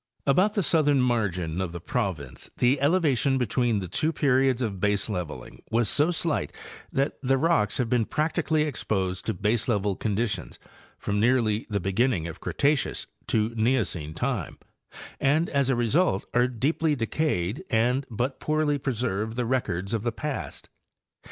About the southern margin of the province the elevation be tween the two periods of baseleveling was so slight that the rocks have been practically exposed to: baselevel conditions from nearly the beginning of Cretaceous to Neocene time, and as a result are deeply decayed and but poorly preserve the records of the past.